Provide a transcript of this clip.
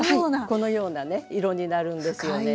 このようなね色になるんですよね。